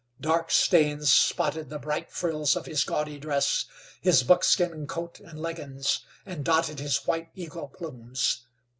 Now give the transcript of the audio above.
Dark stains spotted the bright frills of his gaudy dress, his buckskin coat and leggins, and dotted his white eagle plumes.